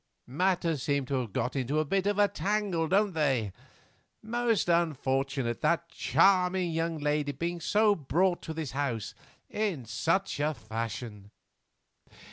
Matters seem to have got into a bit of a tangle, don't they? Most unfortunate that charming young lady being brought to this house in such a fashion.